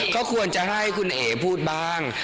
ก็ควรจะให้คุณเอ๋พูดบ้าง